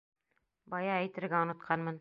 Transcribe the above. Бая әйтергә онотҡанмын.